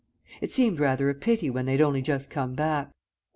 It seemed rather a pity when they'd only just come back.